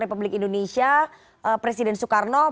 republik indonesia presiden soekarno